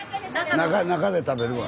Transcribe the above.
中で食べるわ。